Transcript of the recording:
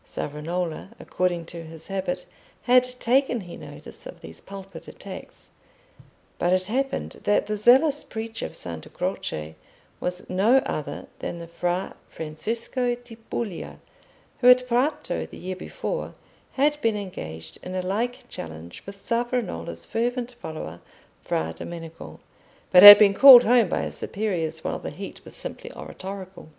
Savonarola, according to his habit, had taken no notice of these pulpit attacks. But it happened that the zealous preacher of Santa Croce was no other than the Fra Francesco di Puglia, who at Prato the year before had been engaged in a like challenge with Savonarola's fervent follower Fra Domenico, but had been called home by his superiors while the heat was simply oratorical.